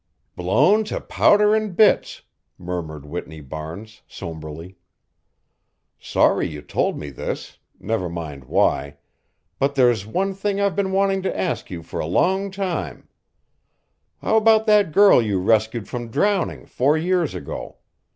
"Blown to powder and bits," murmured Whitney Barnes, sombrely. "Sorry you told me this never mind why but there's one thing I've been wanting to ask you for a long time: How about that girl you rescued from drowning four years ago?